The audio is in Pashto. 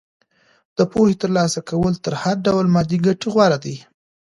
د پوهې ترلاسه کول تر هر ډول مادي ګټې غوره دي.